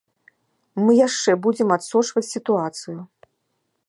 Мы яшчэ будзем адсочваць сітуацыю.